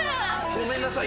「ごめんなさい。